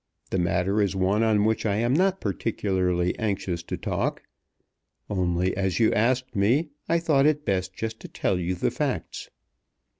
The matter is one on which I am not particularly anxious to talk. Only as you asked me I thought it best just to tell you the facts."